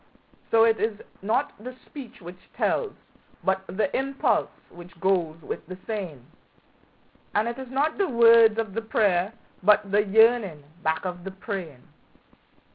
So it is not the speech which tells, but the impulse which goes with the saying; And it is not the words of the prayer, but the yearning back of the praying.